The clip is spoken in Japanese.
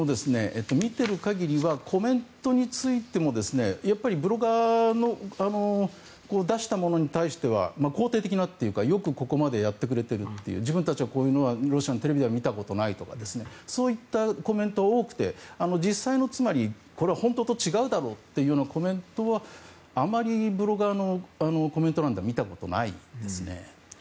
見てる限りはコメントについてもやっぱりブロガーの出したものに対しては肯定的なよくここまでやってくれてると自分たちは、こういうのはロシアのテレビでは見たことがないとかそういったコメントが多くて実際と違うだろうというようなコメントはあまりブロガーのコメント欄では見たことないですね。